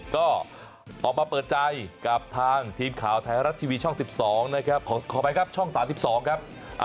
ก็ตอบมาเปิดใจกับทางทีมข่าวไทยรัดที่วีช่อง๑๒ขอขอบคับช่อง๓๒ครับ